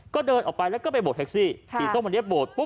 ก็เดินออกไปแล้วก็ไปโบ๊ทเท็กซี่ติดต้นวันนี้โบ๊ท